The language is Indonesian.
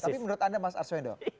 tapi menurut anda mas arswendo